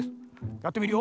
やってみるよ。